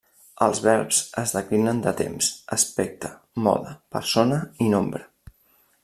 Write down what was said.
Els verbs es declinen de temps, aspecte, mode, persona i nombre.